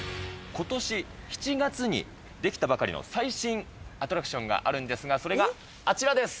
ことし７月に出来たばかりの最新アトラクションがあるんですが、それがあちらです。